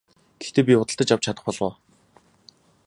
Гэхдээ би худалдаж авч чадах болов уу?